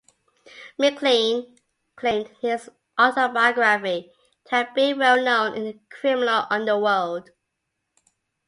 McLean claimed in his autobiography to have been well known in the criminal underworld.